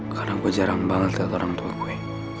karena gue jarang banget liat orang tua gue